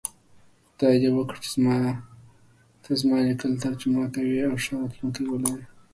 خدای دی وکړی چی ته زما لیکل ترجمه کوی ښه راتلونکی ولری